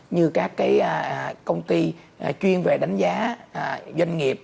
như các công ty chuyên về đánh giá doanh nghiệp